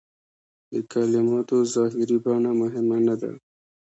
د کلماتو ظاهري بڼه مهمه نه ده.